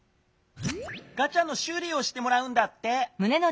ガチャのしゅうりをしてもらうんだって。